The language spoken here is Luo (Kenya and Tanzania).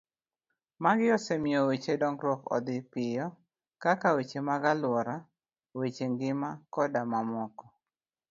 Magi osemiyo weche dongruok odhi piyo, kaka weche mag aluora, weche ngima koda mamoko.